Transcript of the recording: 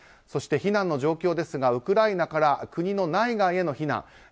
そして避難の状況ですがウクライナから国の内外への避難。